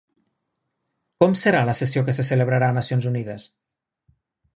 Com serà la sessió que se celebrarà a Nacions Unides?